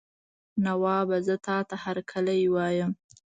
نوابه زه تاته هرکلی وایم.